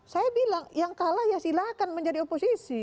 saya bilang yang kalah ya silahkan menjadi oposisi